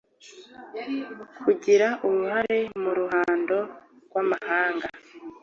kugira uruhare mu ruhando rw’amahanga